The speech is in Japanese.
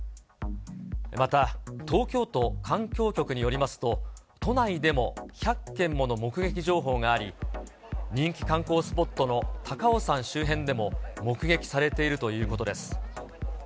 また、東京都環境局によりますと、都内でも１００件もの目撃情報があり、人気観光スポットの高尾山周辺でも、目撃されているということです。